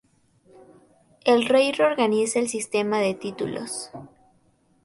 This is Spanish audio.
El rey reorganiza el sistema de títulos.